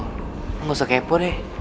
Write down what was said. lo gak usah kepo deh